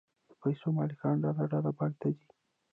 د پیسو مالکان ډله ډله بانک ته ځي